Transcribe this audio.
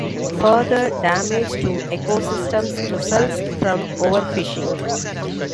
Further damage to ecosystems results from overfishing.